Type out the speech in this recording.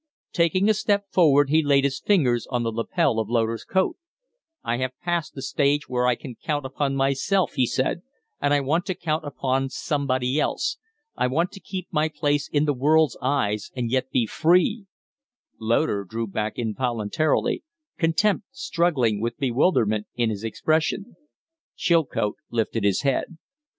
Taking a step forward, he laid his fingers on the lapel of Loder's coat. "I have passed the stage where I can count upon myself," he said, "and I want to count upon somebody else. I want to keep my place in the world's eyes and yet be free " Loder drew back involuntarily, contempt struggling with bewilderment in his expression. Chilcote lifted his head.